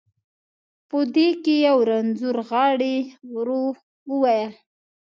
په دې کې یو رنځور غاړي، ورو وویل.